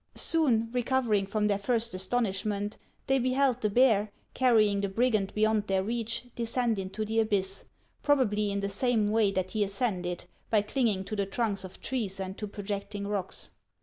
Soon, recovering from their first astonishment, they beheld the bear, carrying the brigand beyond their reach, descend into the abyss, probably in the same way that he HANS OF ICELAND. 295 ascended, by clinging to the trunks of trees and to pro jecting rocks.